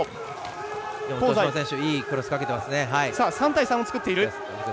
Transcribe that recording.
３対３を作っている。